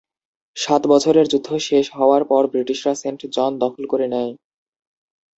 সাত বছরের যুদ্ধ শেষ হওয়ার পর ব্রিটিশরা সেন্ট জন দখল করে নেয়।